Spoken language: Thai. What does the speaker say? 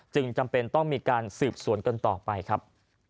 จำเป็นต้องมีการสืบสวนกันต่อไปครับ